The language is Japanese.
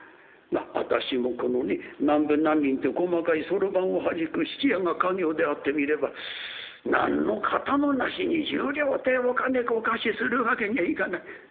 ま私もこのね何分何厘って細かいそろばんをはじく質屋が稼業であってみれば何のカタもなしに１０両ってお金お貸しするわけにはいかない。